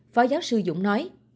phó giáo sư dũng nói